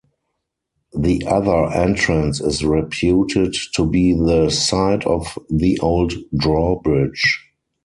The other entrance is reputed to be the site of the old drawbridge.